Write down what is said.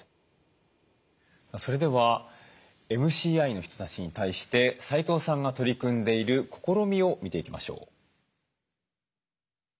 それではＭＣＩの人たちに対して齋藤さんが取り組んでいる試みを見ていきましょう。